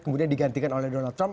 kemudian digantikan oleh donald trump